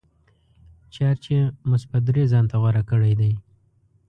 چارج یې مثبت درې ځانته غوره کړی دی.